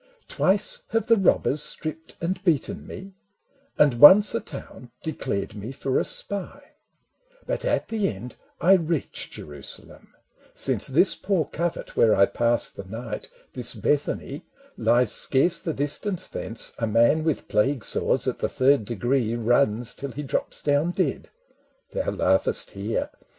Twice have the robbers stripped and beaten me, And once a town declared me for a spy ; But at the end, I reach Jerusalem, Since this poor covert where I pass the night, This Bethany, lies scarce the distance thence A man with plague sores at the third degree Runs till he drops down dead. Thou laughest here